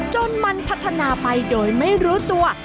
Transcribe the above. จนมันพัฒนาไปโดยไม่รู้ตัว